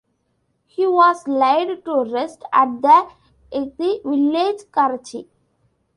He was laid to rest at the Edhi Village Karachi.